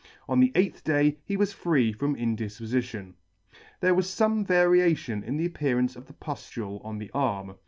On the eighth day he was free from indifpofition. There was fome variation in the appearance of the puflule on the arm.